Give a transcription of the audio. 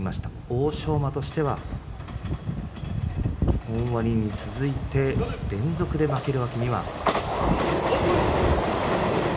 欧勝馬としては本割に続いて連続で負けるわけにはいきません。